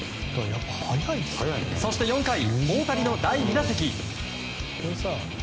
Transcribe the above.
そして４回、大谷の第２打席。